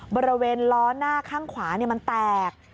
บริเวณล้อหน้าข้างขวามันแตก